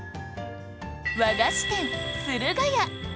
和菓子店駿河屋